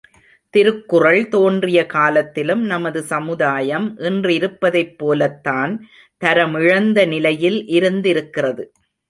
திருக்குறள் தோன்றிய காலத்திலும் நமது சமுதாயம் இன்றிருப்பதைப் போலத்தான் தரமிழந்த நிலையில் இருந்திருக்கிறது.